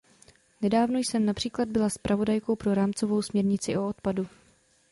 Nedávno jsem například byla zpravodajkou pro rámcovou směrnici o odpadu.